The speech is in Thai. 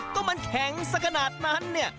ก็มันแข็งสักขนาดนั้นเนี่ย